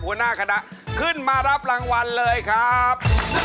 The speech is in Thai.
หัวหน้าคณะขึ้นมารับรางวัลเลยครับ